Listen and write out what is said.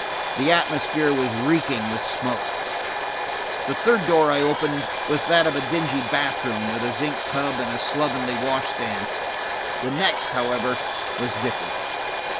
The atmosphere was reeking with smoke. The third door I opened was that of a dingy bath room, with a zinc tub and a slovenly wash stand. The next, however, was different.